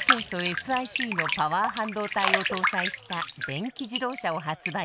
ＳｉＣのパワー半導体を搭載した電気自動車を発売。